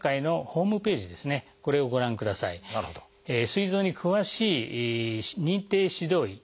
すい臓に詳しい認定指導医